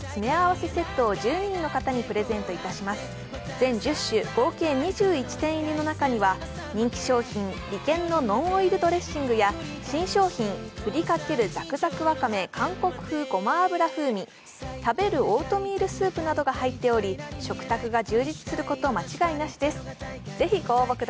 全１０種、合計２１点入りの中には人気商品、リケンのノンオイルドレッシングや新商品、ふりかけるザクザクわかめ韓国風ごま油風味、食べるオートミールスープなどが入っており、食卓が充実すること間違いなしです。